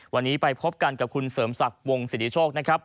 วันนี้ไปพบกันกับคุณเสริมศักดิ์วงศิริโชคนะครับ